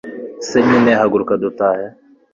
se nyine haguruka dutahe